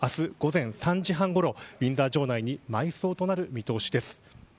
日本時間の明日、午前３時半ごろウィンザー城内に埋葬となる見通しです。